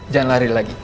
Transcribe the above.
jangan lari lagi